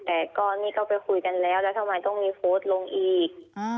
แต่ก่อนนี่ก็ไปคุยกันแล้วแล้วทำไมต้องมีโพสต์ลงอีก